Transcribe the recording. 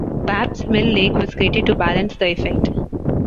Babbs Mill Lake was created to balance the effect.